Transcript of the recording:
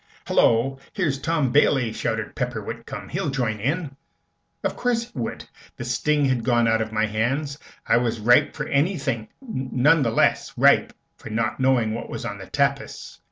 "Hullo! Here's Tom Bailey!" shouted Pepper Whitcomb. "He'll join in!" Of course he would. The sting had gone out of my hands, and I was ripe for anything none the less ripe for not knowing what was on the tapis.